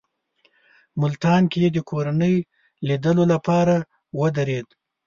ملتان کې یې د کورنۍ لیدلو لپاره ودرېد.